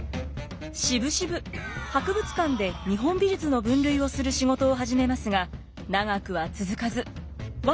しぶしぶ博物館で日本美術の分類をする仕事を始めますが長くは続かず僅か１３日で辞めてしまいます。